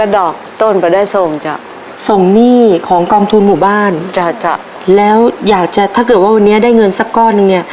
ได้ส่งค่ะบ้างไม่ส่ง